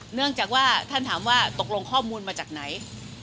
เนื่องจากว่าท่านถามว่าตกลงข้อมูลมาจากไหน